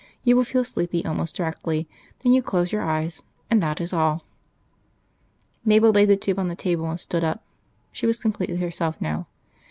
You will feel sleepy almost directly. Then you close your eyes, and that is all." Mabel laid the tube on the table and stood up. She was completely herself now.